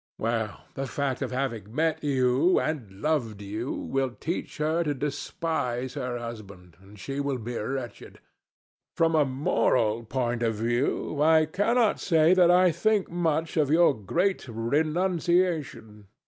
Well, the fact of having met you, and loved you, will teach her to despise her husband, and she will be wretched. From a moral point of view, I cannot say that I think much of your great renunciation.